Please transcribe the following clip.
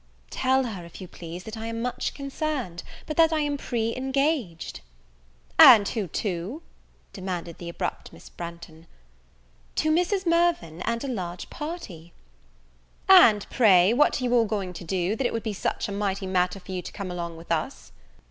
"Tell her, if you please, that I am much concerned, but that I am pre engaged." "And who to?" demanded the abrupt Miss Branghton. "To Mrs. Mirvan, and a large party." "And, pray, what are you all going to do, that it would be such a mighty matter for you to come along with us?"